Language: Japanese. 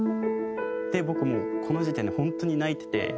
僕もうこの時点で本当に泣いてて。